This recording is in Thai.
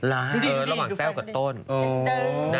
ระหว่างแต้วกับต้น